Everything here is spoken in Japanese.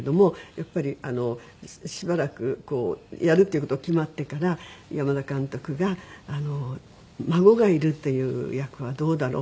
やっぱりしばらくやるっていう事が決まってから山田監督が「孫がいるっていう役はどうだろう」っておっしゃって。